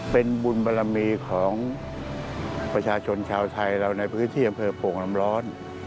เป็นบุญบารมีของประชาชนชาวไทยเราในพื้นที่อำเภอโป่งน้ำร้อน